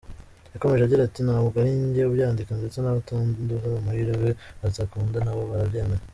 Yakomeje agira ati “Ntabwo ari njye ubyandika ndetse n’abataduha amahirwe batadukunda nabo barabyemera.